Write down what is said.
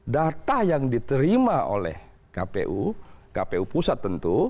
data yang diterima oleh kpu kpu pusat tentu